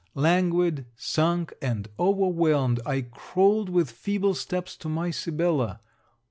Languid, sunk, and overwhelmed, I crawled with feeble steps to my Sibella.